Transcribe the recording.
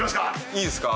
いいですか？